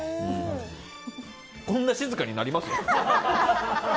こんな静かになります？